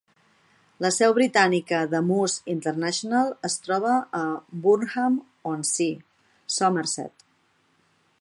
La seu britànica de Moose International es troba a Burnham-on-Sea, Somerset.